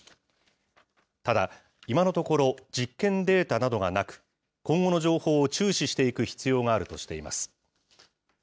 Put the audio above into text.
ただ、今のところ実験データなどがなく、今後の情報を注視していく必要があるとしています。